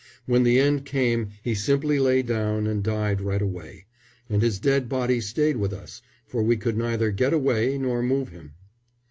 When the end came he simply lay down and died right away, and his dead body stayed with us, for we could neither get away nor move him.